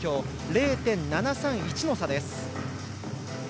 ０．７３１の差です。